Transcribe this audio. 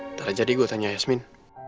ntar aja deh gue tanya yasmin